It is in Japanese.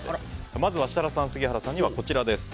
まずは設楽さん杉原さんにはこちらです。